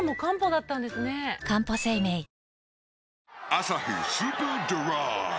「アサヒスーパードライ」